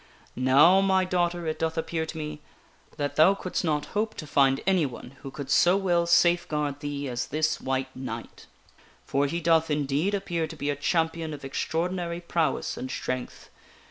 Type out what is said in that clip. Now, my daughter, it doth appear to me that thou couldst not hope to find anyone who could so well safeguard thee as this White Knight ; for he doth indeed appear to be a champion of extraordinary prowess and strength.